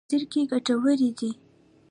زیرکي ګټور دی.